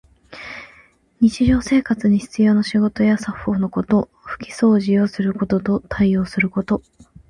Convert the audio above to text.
日常生活に必要な仕事や作法のこと。ふきそうじをすることと、応対すること。